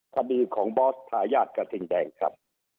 ความสำคัญของบอสทายาทกระทิงแดงครับ